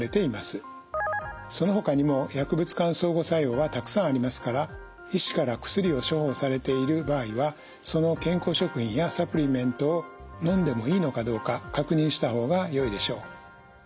そのほかにも薬物間相互作用はたくさんありますから医師から薬を処方されている場合はその健康食品やサプリメントをのんでもいいのかどうか確認した方がよいでしょう。